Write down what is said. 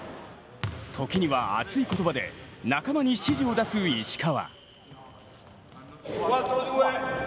時には熱い言葉で仲間に指示を出す石川。